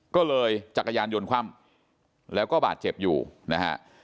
ก็เลยจักรยานยนต์คว่ำแล้วก็บาดเจ็บอยู่นะฮะ